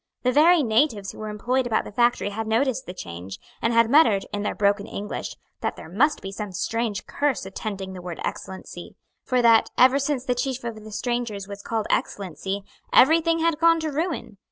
The very natives who were employed about the factory had noticed the change, and had muttered, in their broken English, that there must be some strange curse attending the word Excellency; for that, ever since the chief of the strangers was called Excellency, every thing had gone to ruin.